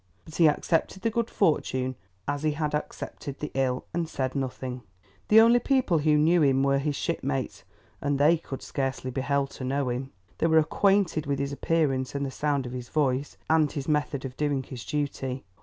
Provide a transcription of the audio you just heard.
But he accepted the good fortune as he had accepted the ill, and said nothing. The only people who knew him were his shipmates, and they could scarcely be held to know him. They were acquainted with his appearance and the sound of his voice, and his method of doing his duty.